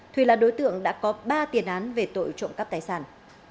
thùy là đối tượng đã có ba tiền án về tội trộm cắp tài sản